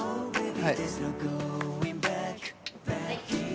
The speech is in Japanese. はい。